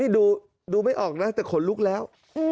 ดูไม่ออกนะแต่ขนลุกแล้ว